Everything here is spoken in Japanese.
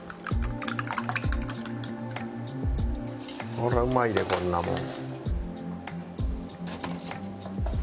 これはうまいでこんなもん。